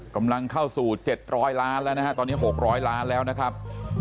กำลังเข้าสู่เจ็ดร้อยล้านแล้วนะฮะตอนนี้หกร้อยล้านแล้วนะครับ